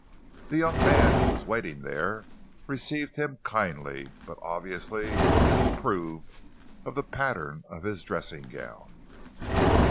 The young man who was waiting there received him kindly, but obviously disapproved of the pattern of his dressing gown.